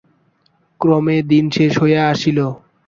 ক্রমে দিন শেষ হইয়া আসিল।